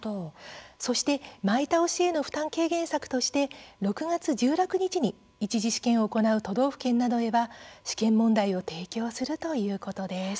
そして前倒しへの負担軽減策として６月１６日に１次試験を行う都道府県などへは試験問題を提供するということです。